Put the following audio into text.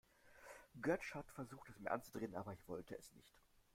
Götsch hat versucht, es mir anzudrehen, aber ich wollte es nicht.